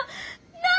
なあ！